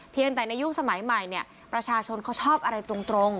เพียงแต่ในยุคสมัยใหม่ประชาชนเขาชอบอะไรตรง